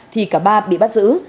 thì cả ba bị bắt giữ